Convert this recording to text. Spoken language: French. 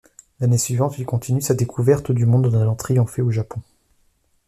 L'année suivante, il continue sa découverte du monde en allant triompher au Japon.